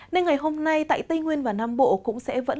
nên ngày hôm nay tại tây nguyên và nam bộ cũng sẽ vẫn